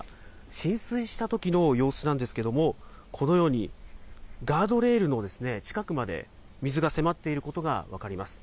浸水したときの様子なんですけれども、このようにガードレールの近くまで、水が迫っていることが分かります。